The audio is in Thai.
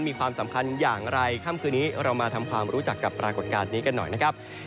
มีความสำคัญอย่างไรค่ำคืนนี้เรามาทำความรู้จักกับปรากฏการณ์นี้กันหน่อยนะครับ